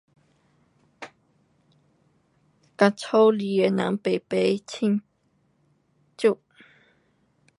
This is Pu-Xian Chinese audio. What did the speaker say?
跟家里的人排排庆祝。